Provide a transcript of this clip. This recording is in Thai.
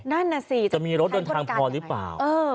นั่นน่ะสิจะมีรถเดินทางพอหรือเปล่า